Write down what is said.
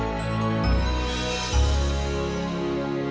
oh siapa rach